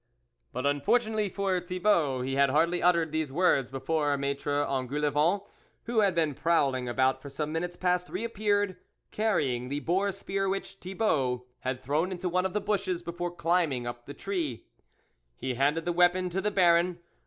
But unfortunately for Thibault, he had hardly uttered these words, before Maitre Engoulevent, who had been prowling about for some minutes past, re appeared, carrying the boar spear which Thibault had thrown into one of the bushes before climbing up the tree. He handed the weapon to the Baron.